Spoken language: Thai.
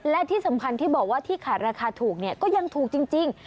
แล้วที่สำคัญที่บอกว่าที่ขึ้นราคาถูกก็ยังถูกจริง